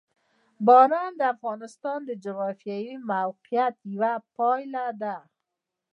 باران د افغانستان د جغرافیایي موقیعت یوه پایله ده.